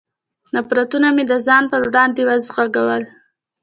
نفرتونه مې د ځان پر وړاندې وزېږول.